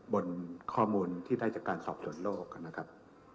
บนข้อมูลที่ได้จากการสอบสวนโลกนะครับ